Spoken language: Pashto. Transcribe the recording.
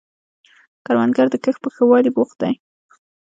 کروندګر د کښت په ښه والي بوخت دی